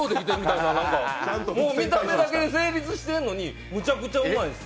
なんか見た目だけで成立してんのにめちゃくちゃうまいんすよ。